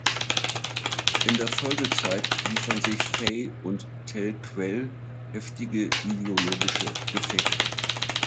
In der Folgezeit liefern sich Faye und Tel Quel heftige ideologische Gefechte.